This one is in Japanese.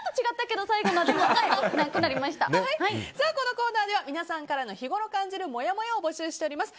このコーナーでは皆さんからの日ごろ感じるもやもやを募集しております。